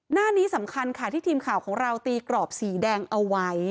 หน้านี้สำคัญค่ะที่ทีมข่าวของเราตีกรอบสีแดงเอาไว้